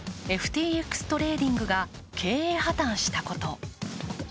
ＦＴＸトレーディングが経営破綻したこと。